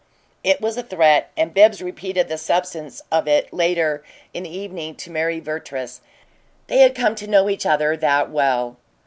It was a threat, and Bibbs repeated the substance of it, later in the evening, to Mary Vertrees they had come to know each other that well.